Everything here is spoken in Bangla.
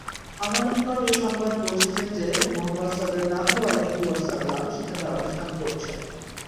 আমার নিকট এ সংবাদ পৌঁছেছে যে, মুহাম্মাদ সাল্লাল্লাহু আলাইহি ওয়াসাল্লাম সেখানে অবস্থান করছেন।